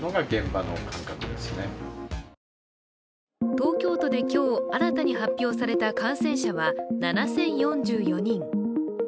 東京都で今日、新たに発表された感染者は７０４４人。